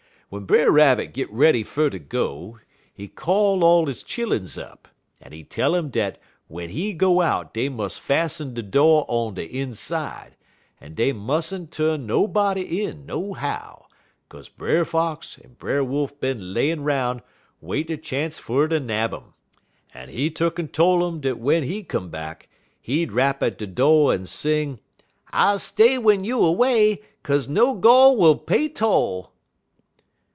"W'en Brer Rabbit git ready fer ter go, he call all he chilluns up, en he tell um dat w'en he go out dey mus' fas'n de do' on de inside, en dey mus'n' tu'n nobody in, nohow, 'kaze Brer Fox en Brer Wolf bin layin' 'roun' waitin' chance fer ter nab um. En he tuck'n tole um dat w'en he come back, he'd rap at de do' en sing: "'_I'll stay w'en you away, 'Kaze no gol' will pay toll!